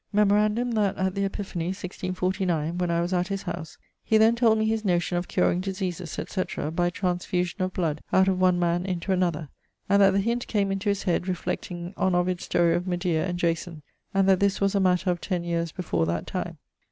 ☞ Memorandum that at the Epiphanie, 1649, when I was at his house, he then told me his notion of curing diseases, etc. by transfusion of bloud[LXI.] out of one man into another, and that the hint came into his head reflecting on Ovid's story of Medea and Jason, and that this was a matter of ten yeares before that time.